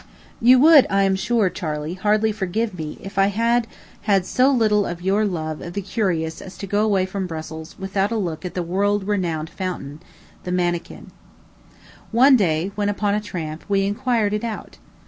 You would, I am sure, Charley, hardly forgive me if I had had so little of your love of the curious as to go away from Brussels without a look at the world renowned fountain the Manekin. One day, when upon a tramp, we inquired it out.